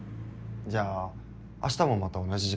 じゃあ明日もまた同じ時間に。